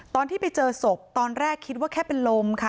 ตอนที่ไปเจอศพตอนแรกคิดว่าแค่เป็นลมค่ะ